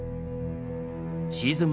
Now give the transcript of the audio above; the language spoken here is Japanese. シーズン